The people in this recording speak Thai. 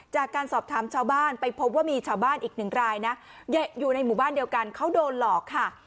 จากการสอบถามชาวบ้านไปพบว่ามีชาวบ้านอีกหนึ่งรายนะอยู่ในหมู่บ้านเดียวกันเขาโดนหลอกค่ะ